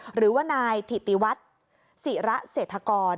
หรือว่านายถิติวัฒน์ศิระเศรษฐกร